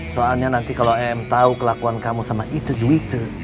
soalnya nanti kalau em tau kelakuan kamu sama itu itu